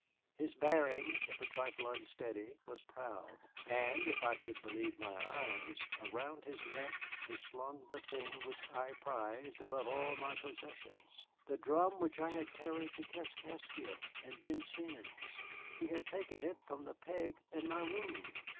His bearing, if a trifle unsteady, was proud, and if I could believe my eyes around his neck was slung the thing which I prized above all my possessions, the drum which I had carried to Kaskaskia and Vincennes! He had taken it from the peg in my room.